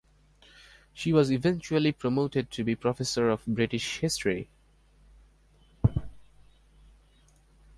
She was eventually promoted to be Professor of British History.